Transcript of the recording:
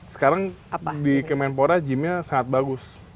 sekarang di kemenpora gymnya sangat bagus